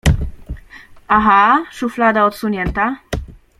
Aha, szuflada odsunięta.